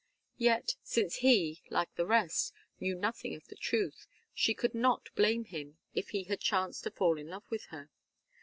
Yet, since he, like the rest, knew nothing of the truth, she could not blame him if he had chanced to fall in love with her.